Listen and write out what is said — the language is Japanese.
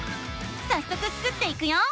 さっそくスクっていくよ。